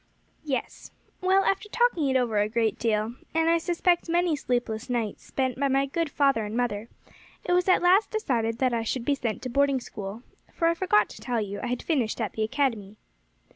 "Yes. Well, after talking it over a great deal, and I suspect many sleepless nights spent by my good father and mother, it was at last decided that I should be sent to boarding school; for I forgot to tell you, I had finished at the academy."